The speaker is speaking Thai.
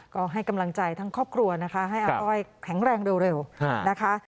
ก็ให้กำลังใจทั้งครอบครัวนะคะให้อาต้อยแข็งแรงเร็วนะคะ